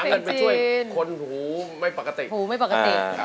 ผมร้องเพลงจีนเพื่อจะหาเงินไปช่วยคนหูไม่ปกติ